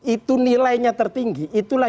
itu nilainya tertinggi itulah